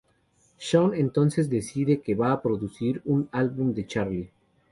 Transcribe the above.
Shawn entonces decide que va a producir un álbum de Charlie.